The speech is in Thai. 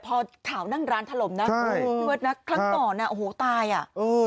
พอขาวนั่งร้านถล่มน่ะครั้งตอนน่ะทายอ่ะอือ